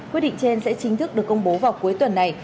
quyết định trên sẽ chính thức được công bố vào cuối tuần này